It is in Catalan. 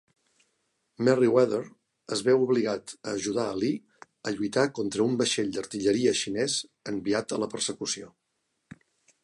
Merryweather es veu obligat a ajudar a Lee a lluitar contra un vaixell d'artilleria xinès enviat a la persecució.